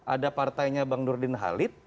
ada partainya bang nurdin halid